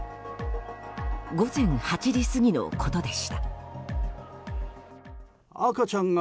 午前８時過ぎのことでした。